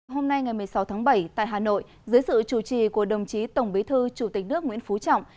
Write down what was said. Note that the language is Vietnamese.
hôm nay ngày một mươi sáu tháng bảy tại hà nội dưới sự chủ trì của đồng chí tổng bí thư chủ tịch nước nguyễn phú trọng